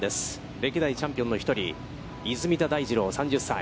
歴代チャンピオンの１人、出水田大二郎、３０歳。